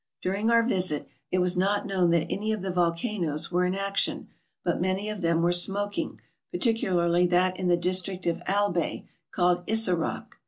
During our visit, it was not known that any of the volcanoes were in action; but many of them were smoking, particularly that in the district of Albay, called Isaroc.